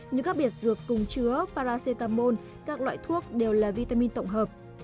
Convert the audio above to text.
như các biệt dược cùng chứa paracetamol các loại thuốc đều là vitamin tổng hợp